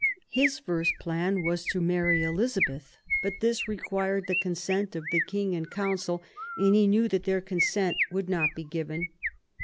His first plan was to marry Elizabeth ; but this required the consent of the King and Council, and he knew that their consent would not be given.